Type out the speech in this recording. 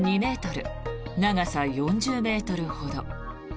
長さ４０ｍほど。